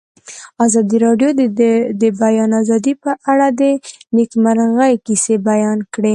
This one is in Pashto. ازادي راډیو د د بیان آزادي په اړه د نېکمرغۍ کیسې بیان کړې.